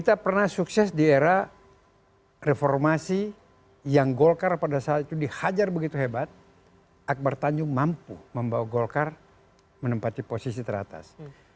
kita pernah sukses di era reformasi yang golkar pada saat itu dihajar begitu hebat akbar tanjung mampu membawa golkar menempati posisi teratas